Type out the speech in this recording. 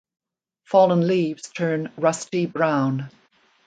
Fallen leaves turn rusty brown.